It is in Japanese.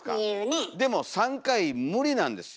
でも３回無理なんですよ。